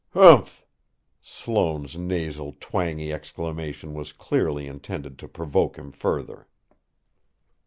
"Humph!" Sloane's nasal, twangy exclamation was clearly intended to provoke him further.